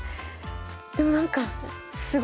でも何か。